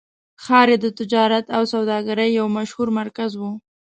ښار یې د تجارت او سوداګرۍ یو مشهور مرکز و.